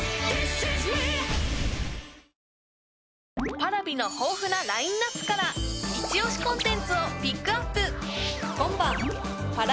Ｐａｒａｖｉの豊富なラインナップから一押しコンテンツをピックアップ